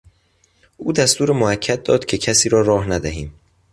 او دستور موکد داد که کسی را راه ندهیم.